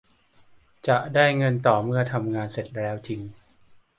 จะได้เงินต่อเมื่อทำงานเสร็จแล้วจริง